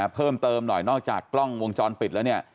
เพิ่มเติมหน่อยนอกจากกล้องวงจรปิดแล้วเนี่ย